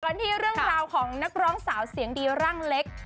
กันที่เรื่องราวของนักร้องสาวเสียงดีร่างเล็ก